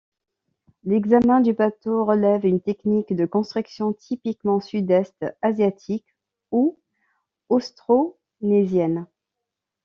L'examen du bateau révèle une technique de construction typiquement sud-est asiatique ou austronésienne.